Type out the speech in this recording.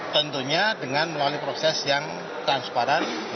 tentunya dengan melalui proses yang transparan